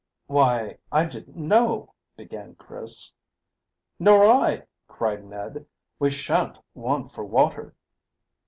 "Why, I didn't know " began Chris. "Nor I," cried Ned. "We shan't want for water."